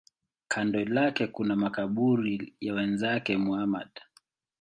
Kando lake kuna makaburi ya wenzake Muhammad.